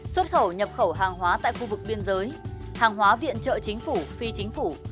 xuất khẩu nhập khẩu hàng hóa tại khu vực biên giới hàng hóa viện trợ chính phủ phi chính phủ